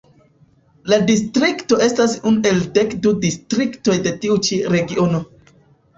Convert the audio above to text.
La distrikto estas unu el dek du distriktoj de tiu ĉi Regiono.